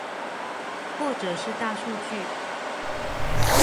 或者是大數據